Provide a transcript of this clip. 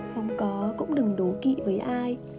không có cũng đừng đố kị với ai